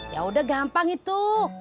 ya udah gampang itu